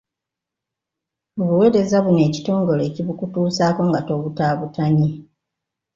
Obuweereza buno ekitongole kibukutuusaako nga tobutaabutanye.